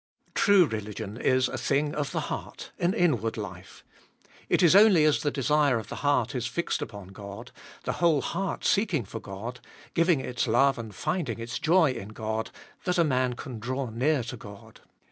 True religion is a thing of the heart, an inward life. It is only as the desire of the heart is fixed upon God, the whole heart seeking for God, giving its love and finding its joy in God, that a man can draw near to God.